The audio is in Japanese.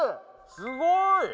すごい！